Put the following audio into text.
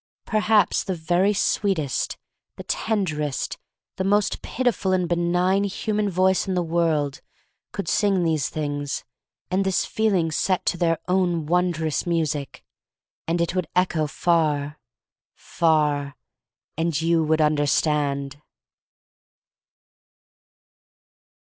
Perhaps the very sweetest, the ten derest, the most pitiful and benign human voice in the world could sing these things and this feeling set to their own wondrous music, — and it would echo far — far, — and you would under stand.